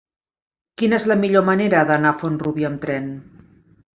Quina és la millor manera d'anar a Font-rubí amb tren?